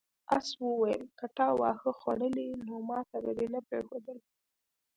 آس وویل که تا واښه خوړلی نو ماته به دې نه پریښودل.